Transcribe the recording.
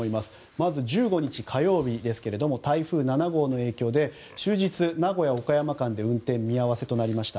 まず１５日、火曜日ですけども台風７号の影響で終日、名古屋岡山間で運転見合わせとなりました。